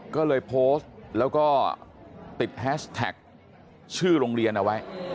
ก็เลยโพสต์แล้วก็ติดแฮชแท็กชื่อโรงเรียนเอาไว้